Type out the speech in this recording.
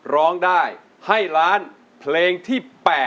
ร้องได้ให้ล้านเพลงที่๘